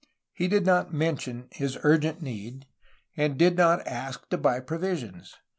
He did not mention his urgent need, and did not ask to buy provisions.